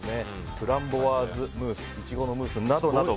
フランボワーズムースイチゴのムースなどなど。